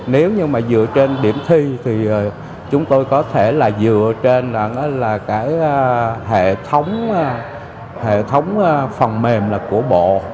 nếu như mà dựa trên điểm thi thì chúng tôi có thể là dựa trên là cái hệ thống phần mềm là của bộ